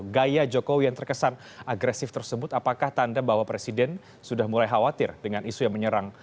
gaya jokowi yang terkesan agresif tersebut apakah tanda bahwa presiden sudah mulai khawatir dengan isu yang menyerang